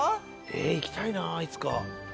行きたいないつか。